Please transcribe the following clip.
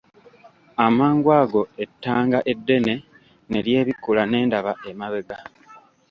Amangu ago ettanga eddene ne lyebikkula ne ndaba emabega.